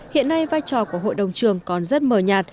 hiện nay vai trò của hội đồng trường còn rất mờ nhạt